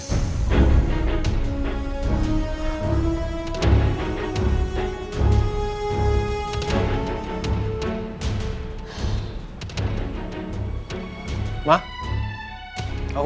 sampai ketemu lagi